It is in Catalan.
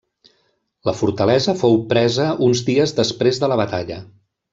La fortalesa fou presa uns dies després de la batalla.